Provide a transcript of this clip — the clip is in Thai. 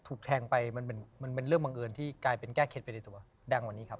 ถูกแทงไปมันเป็นเรื่องบังเอิญที่กลายเป็นแก้เคล็ดไปในตัวดังกว่านี้ครับ